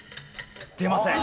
出ません。